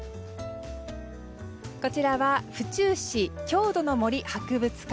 こちらは府中市郷土の森博物館。